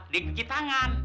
dia bikin tangan